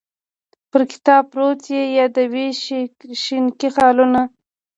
پر کتاب پروت یې یادوې شینکي خالونه